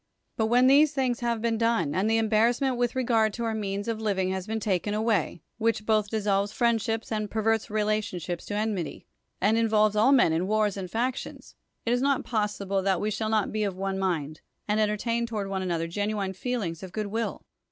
But when these things have Ix'cn done, and the embarrassment with regard to our means of liv 98 ISOCRATES in^r has been taken away, which both dissolves friendships and perverts relationships into en mity, and involves all men in wars and factions, it is not possible that we shall not be of one mind, and entertain toward one another genuine feel ings of good will.